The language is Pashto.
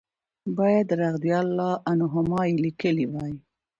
باید رضی الله عنهما یې لیکلي وای.